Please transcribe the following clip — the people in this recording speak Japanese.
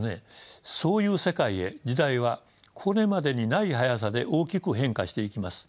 そういう世界へ時代はこれまでにない速さで大きく変化していきます。